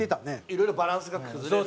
いろいろバランスが崩れる。